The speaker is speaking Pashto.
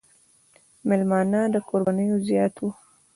مېلمانۀ د کوربنو زيات وو ـ